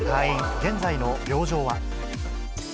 現在の病状は。